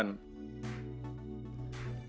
mungkin sampai minggu depan